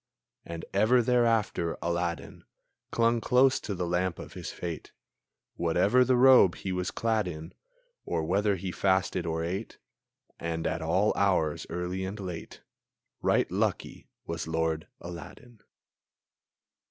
And ever thereafter, Aladdin Clung close to the lamp of his fate, Whatever the robe he was clad in, Or whether he fasted or ate; And at all hours, early and late! Right lucky was Lord Aladdin!